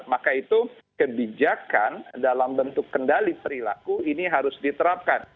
maka itu kebijakan dalam bentuk kendali perilaku ini harus diterapkan